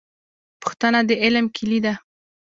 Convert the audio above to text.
پوښتنه د علم کیلي ده